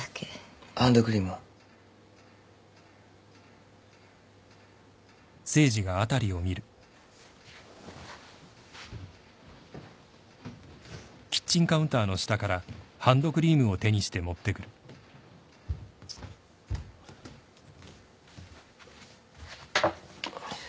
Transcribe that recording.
ハンドクリームは？よいしょ。